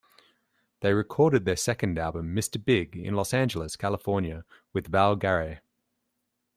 They recorded their second album, "Mr Big", in Los Angeles, California, with Val Garay.